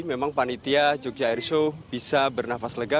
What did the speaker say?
memang panitia jogja airshow bisa bernafas lega